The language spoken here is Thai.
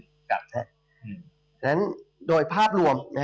อย่างนั้นโดยภาพรวมนะฮะ